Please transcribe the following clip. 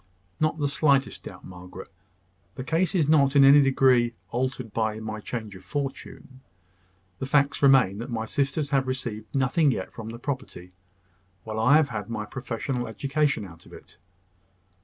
"Not the slightest doubt, Margaret. The case is not in any degree altered by my change of fortune. The facts remain, that my sisters have received nothing yet from the property, while I have had my professional education out of it.